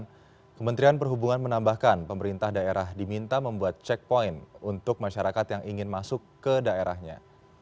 dan kementerian perhubungan menambahkan pemerintah daerah diminta membuat checkpoint untuk masyarakat yang ingin masuk ke daerahnya